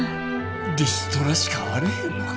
リストラしかあれへんのか。